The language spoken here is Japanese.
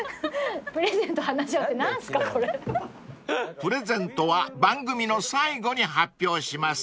［プレゼントは番組の最後に発表します］